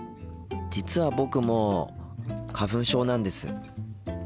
実は僕も花粉症なんです。